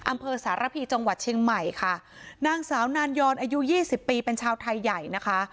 อำเภอสารพีจังหวัดเชียงใหม่ค่ะนางสาวนานยอนอายุยี่สิบปีเป็นชาวไทยใหญ่นะคะ